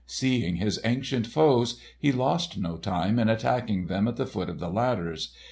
Seeing his ancient foes, he lost no time in attacking them at the foot of the ladders.